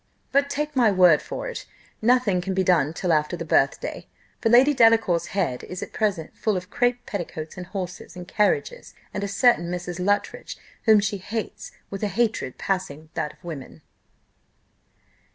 But, take my word for it, nothing can be done till after the birthday; for Lady Delacour's head is at present full of crape petticoats, and horses, and carriages, and a certain Mrs. Luttridge, whom she hates with a hatred passing that of women."